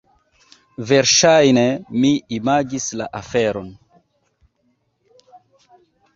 Verŝajne mi imagis la aferon!